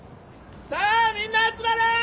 さあみんな集まれ！